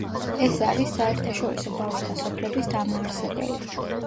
ის არის საერთაშორისო ბავშვთა სოფლების დამაარსებელი.